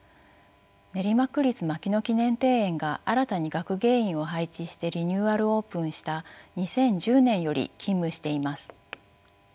練馬区立牧野記念庭園が新たに学芸員を配置してリニューアルオープンした２０１０年より勤務しています。